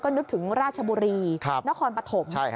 นึกถึงราชบุรีนครปฐม